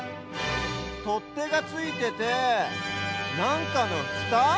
とってがついててなんかのふた？